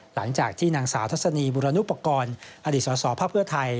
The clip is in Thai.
หลังจากที่นางสาวทัศนีบุรณุปกรอดีตสอบภาพเพื่อไทย